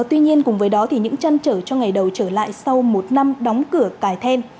tuy nhiên cùng với đó thì những trăn trở cho ngày đầu trở lại sau một năm đóng cửa cải then